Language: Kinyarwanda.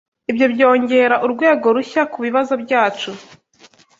Ibyo byongera urwego rushya kubibazo byacu.